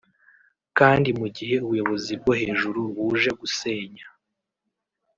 kandi mu gihe ubuyobozi bwo hejuru buje gusenya